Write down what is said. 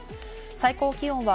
最高気温は